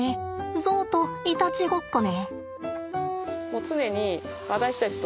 ゾウといたちごっこね。